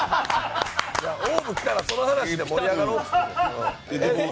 ＯＷＶ来たらその話で盛り上がろうっつって。